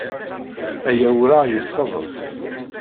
Aya ur aɣ-yesseḍs.